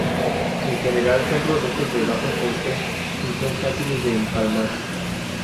En general son productos de bajo coste y son fáciles de empalmar.